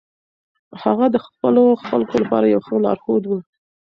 هغه د خپلو خلکو لپاره یو ښه لارښود و.